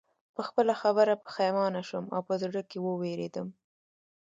په خپله خبره پښېمانه شوم او په زړه کې ووېرېدم